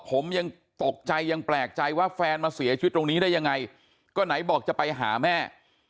ผมยังตกใจยังแปลกใจว่าแฟนมาเสียชีวิตตรงนี้ได้ยังไงก็ไหนบอกจะไปหาแม่